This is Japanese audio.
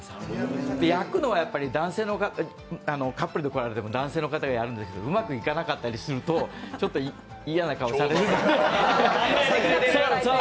焼くのはカップルが来られても男性の方が焼くことが多いんですがうまくいかなかったりするとちょっと嫌な顔されるので。